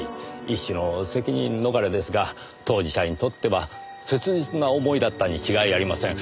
一種の責任逃れですが当事者にとっては切実な思いだったに違いありません。